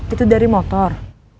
itu dari motor